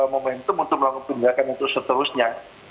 momentum untuk melakukan penindakan yang terus terusnya